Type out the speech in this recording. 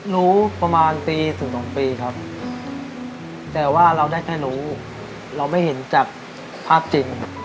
รู้ประมาณปีถึงสองปีครับแต่ว่าเราได้แค่รู้เราไม่เห็นจากภาพจริง